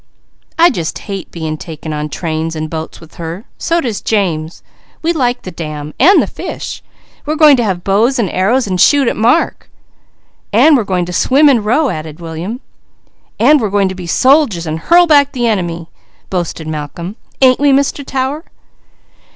"I just hate being taken on trains and boats with her. So does James! We like the dam, the fish, and we're going to have bows and arrows, to shoot at mark. "And we are going to swim and row," added William. "And we are going to be soldiers, and hurl back the enemy," boasted Malcolm, "ain't we Mr. Tower?"